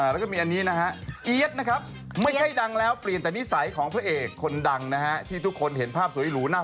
แล้วก็มีอันอีต่อมานะครับกันเนี่ยเข้าเขียนมา